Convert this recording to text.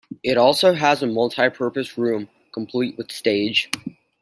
It also has a multipurpose room, complete with stage.